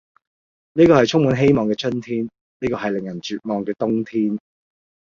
呢個係充滿希望嘅春天，呢個係令人絕望嘅冬天，